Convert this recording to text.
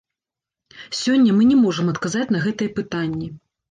Сёння мы не можам адказаць на гэтыя пытанні.